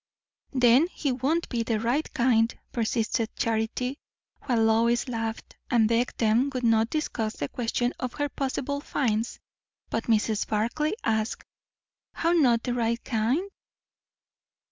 "Then he won't be the right kind," persisted Charity; while Lois laughed, and begged they would not discuss the question of her possible "finds"; but Mrs. Barclay asked, "How not the right kind?"